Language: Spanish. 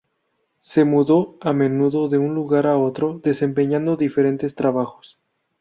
Se mudó a menudo de un lugar a otro, desempeñando diferentes trabajos.